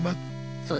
そうです。